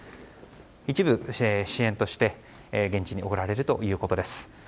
一部、支援として現地に送られるということです。